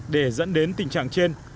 để dẫn đến tình trạng trên